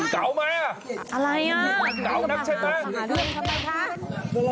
เก๋านักใช่ไหม